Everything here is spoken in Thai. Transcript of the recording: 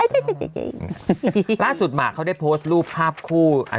ล่าสุดหมากเขาได้โพสต์รูปภาพคู่